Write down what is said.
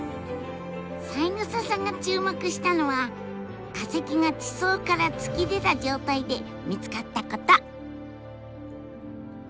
三枝さんが注目したのは化石が地層から突き出た状態で見つかったこと！